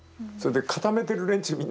それで固めてる連中